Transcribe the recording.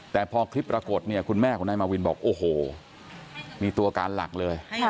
แต่พอคลิปปรากฏเนี่ยคุณแม่ของนายมาวินบอกโอ้โหมีตัวการหลักเลย